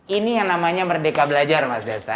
ini yang namanya merdeka belajar mas desa